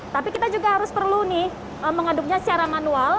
tapi kita juga harus perlu nih mengaduknya secara manual